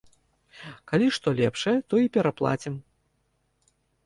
Калі што лепшае, то і пераплацім.